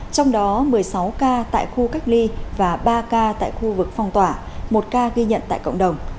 trong đó một mươi sáu ca tại khu cách ly và ba ca tại khu vực phong tỏa một ca ghi nhận tại cộng đồng